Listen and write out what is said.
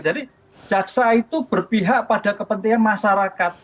jadi jaksa itu berpihak pada kepentingan masyarakat